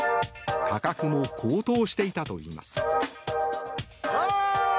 価格も高騰していたといいます。